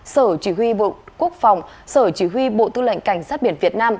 sở chỉ huy bộ quốc phòng sở chỉ huy bộ tư lệnh cảnh sát biển việt nam